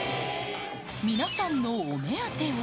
皆さんのお目当ては。